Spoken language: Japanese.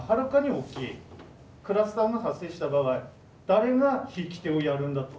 クラスターが発生した場合誰が引き手をやるんだと。